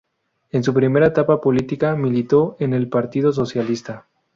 En su primera etapa política militó en el Partido Socialista.